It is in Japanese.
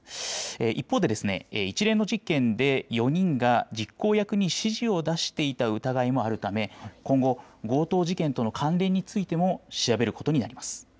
一方で一連の事件で４人が実行役に指示を出していた疑いもあるため、今後強盗事件との関連についても調べることになります。